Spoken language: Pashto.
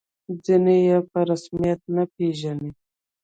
ځینې یې په رسمیت نه پېژني.